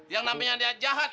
yang namanya dia jahat